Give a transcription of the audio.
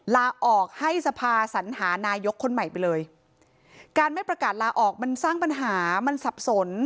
ลาออกให้สภาสัญหานายกคนใหม่ไปเลยการไม่ประกาศลาออกมันสร้างปัญหามันสับสน